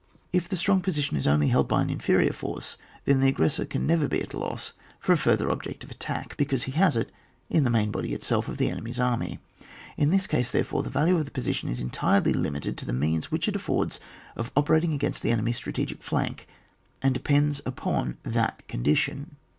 If the strong position is only held by an inferior force, then the aggressor can never be at a loss for a further object of attack, because he has it in the main body itself of the enemy's army ; in this case, therefore, the value of the position is entirely limited to the means which it affords of operating against the enemy's strategic fiank| and depends upon that condition.